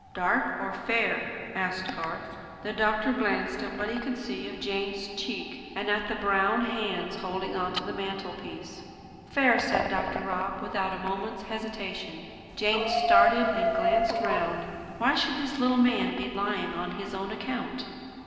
"Dark or fair?" asked Garth. The doctor glanced at what he could see of Jane's cheek, and at the brown hands holding on to the mantelpiece. "Fair," said Dr. Rob, without a moment's hesitation. Jane started and glanced round. Why should this little man be lying on his own account?